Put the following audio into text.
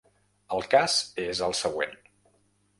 El cas és el següent.